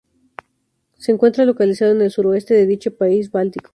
Se encuentra localizado en el suroeste de dicho país báltico.